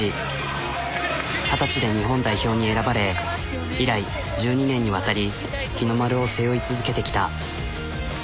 二十歳で日本代表に選ばれ以来１２年にわたり日の丸を背負い続けてきた。